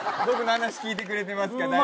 僕の話聞いてくれてますか？